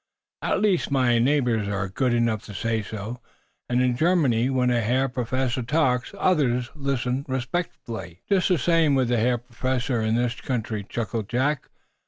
At least, my neighbors are good enough to say so. And, in Germany, when a herr professor talks, others listen respectfully." "Just the same way with the hair professors in this country," chuckled Jack.